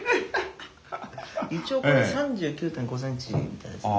一応これ３９．５センチみたいですね。